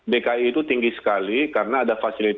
dki itu tinggi sekali karena ada fasilitas